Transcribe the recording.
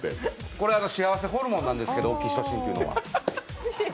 これ幸せホルモンなんですけど、オキシトシンというのは。